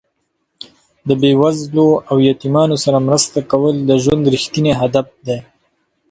د بې وزلو او یتیمانو سره مرسته کول د ژوند رښتیني هدف دی.